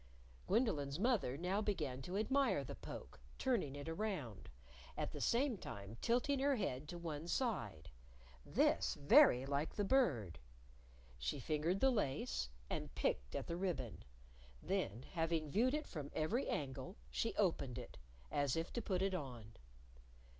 Gwendolyn's mother now began to admire the poke, turning it around, at the same time tilting her head to one side, this very like the Bird! She fingered the lace, and picked at the ribbon. Then, having viewed it from every angle, she opened it as if to put it on.